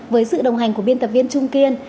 với sự đồng hành của biên tập viên trung kiên